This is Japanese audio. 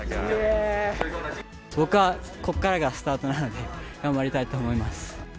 僕はここからがスタートなので、頑張りたいと思います。